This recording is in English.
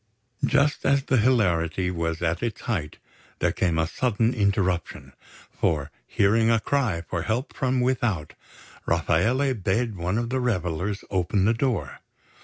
Just as the hilarity was at its height, there came a sudden interruption; for, hearing a cry for help from without, Rafaele bade one of the revellers open the door.